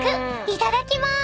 いただきまーす。